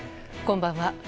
こんばんは。